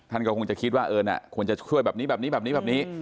ท่านก็คงจะคิดว่าเออควรจะช่วยแบบนี้แบบนี้แบบนี้แบบนี้แบบนี้